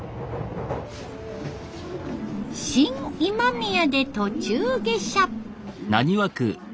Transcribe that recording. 新今宮で途中下車。